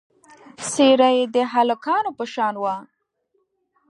څېره یې د هلکانو په شان وه.